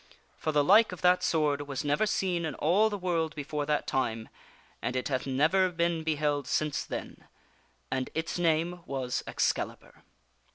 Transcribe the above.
For the like of that sword was never seen in all the world be fore that time, and it hath never been beheld since then ; and its name was Excalibur.